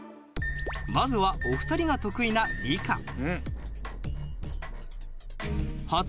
まずはお二人が得意な理科。